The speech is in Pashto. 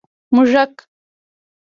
🐁 موږک